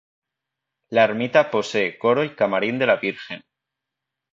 La ermita posee coro y camarín de la Virgen.